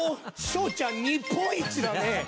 昇ちゃん日本一だね！